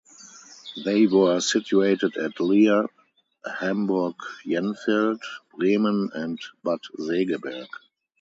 They were situated at Leer, Hamburg-Jenfeld, Bremen, and Bad Segeberg.